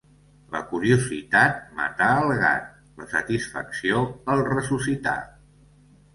La curiositat matà el gat, la satisfacció el ressuscità.